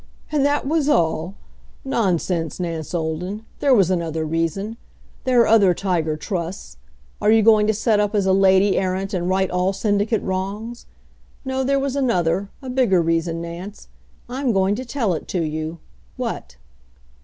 "And that was all? Nonsense, Nance Olden, there was another reason. There are other tiger trusts. Are you going to set up as a lady errant and right all syndicate wrongs? No, there was another, a bigger reason, Nance. I'm going to tell it to you what!"